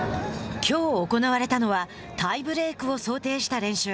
きょう行われたのはタイブレークを想定した練習。